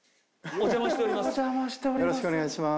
お邪魔しております。